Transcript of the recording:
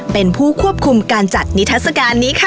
เป็นผู้ควบคุมการจัดนิทัศกาลนี้ค่ะ